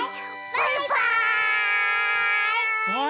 バイバーイ！